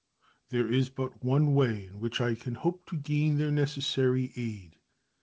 There is but one way in which I can hope to gain their necessary aid.